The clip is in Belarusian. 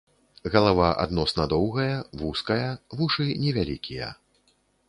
Галава адносна доўгая, вузкая, вушы невялікія.